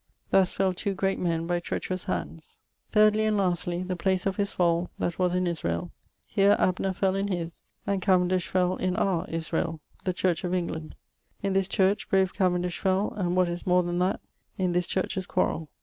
Thus fell two great men by treacherous handes. 'Thirdly and lastly, the place of his fall, that was in Israel.... Here Abner fell in his, and Cavendish fell in our Israel the Church of England.... In this Church brave Cavendish fell, and what is more then that, in this Churches quarrel....